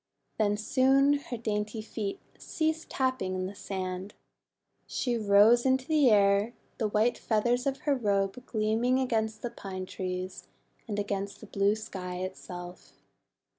Then soon her dainty feet ceased tapping the THE ROBE OF FEATHERS 99 sand. She rose into air, the white feathers of her robe gleaming against the Pine Trees, and against the blue sky itself.